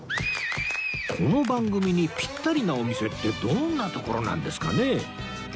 この番組にピッタリなお店ってどんな所なんですかね？